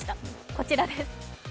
こちらです。